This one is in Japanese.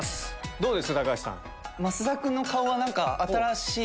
どうです？